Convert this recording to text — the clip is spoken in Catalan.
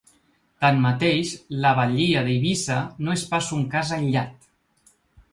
Tanmateix, la batllia d’Eivissa no és pas un cas aïllat.